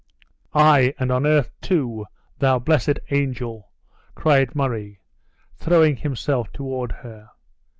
"Ay, and on earth too, thou blessed angel!" cried Murray, throwing himself toward her.